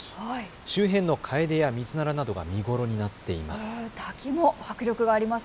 周辺のカエデやミズナラなどが見頃になっています。